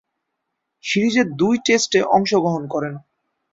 সিরিজের দুই টেস্টে অংশগ্রহণ করেন।